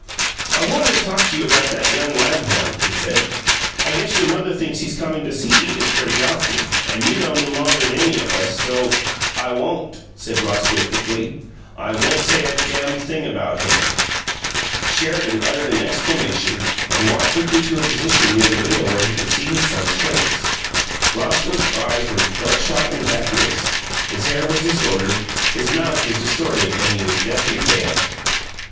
"I wanted to talk to you about that young Lamhorn," he said. "I guess your mother thinks he's comin' to see Edith pretty often, and you known him longer'n any of us, so " "I won't," said Roscoe, thickly "I won't say a dam' thing about him!" Sheridan uttered an exclamation and walked quickly to a position near the window where he could see his son's face. Roscoe's eyes were bloodshot and vacuous; his hair was disordered, his mouth was distorted, and he was deathly pale.